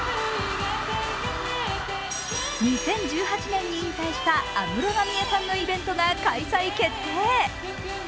２０１８年に引退した安室奈美恵さんのイベントが開催決定。